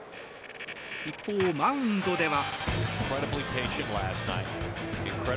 一方、マウンドでは。